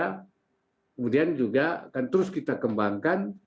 kemudian juga akan terus kita kembangkan